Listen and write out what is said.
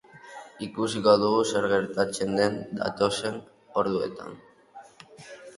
Ikusiko dugu zer gertatzen den datozen orduetan.